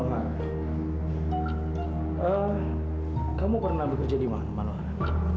kalau kamu bekerja apakah suami kamu mengizinkan kamu